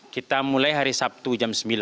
kita mulai hari sabtu jam sembilan